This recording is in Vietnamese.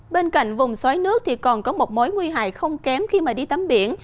bên cạnh vùng xoáy nước thì còn có một mối nguy hại không kém khi mà đi tắm biển